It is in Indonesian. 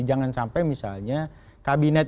jangan sampai misalnya kabinet